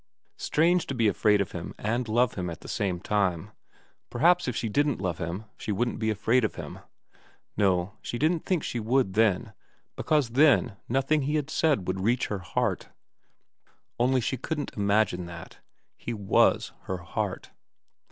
Strange to be afraid of him and love him at the same time. Perhaps if she didn't love him she wouldn't be afraid of him. No, she didn't think she would then, because then nothing that he said would reach her heart. Only she couldn't imagine that. He was her heart.